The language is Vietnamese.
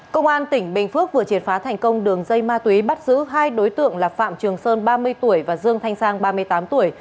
công an tỉnh bình phước vừa triệt phá thành công đường dây ma túy bắt giữ hai đối tượng là phạm trường sơn ba mươi tuổi và dương thanh sang ba mươi tám tuổi